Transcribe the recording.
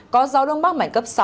có gió đông bắc mạnh cấp sáu